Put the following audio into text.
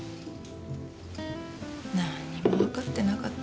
何にも分かってなかった。